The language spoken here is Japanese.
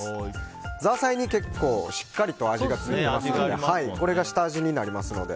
ザーサイに結構しっかりと味がついているのでこれが下味になりますので。